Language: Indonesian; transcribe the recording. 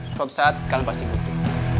suatu saat kalian pasti butuh